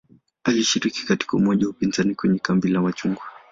Alishiriki katika umoja wa upinzani kwenye "kambi la machungwa".